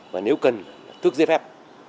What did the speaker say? và nếu cần tước giấy phép